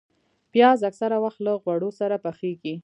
پیاز اکثره وخت له غوړو سره پخېږي